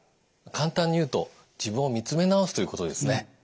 簡単に言うと自分を見つめ直すということですね。